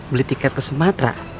beli tiket ke sumatera